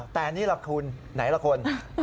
แต่นี่แหละคุณไหนล่ะคุณ